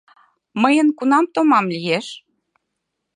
— Мыйын кунам томам лиеш?..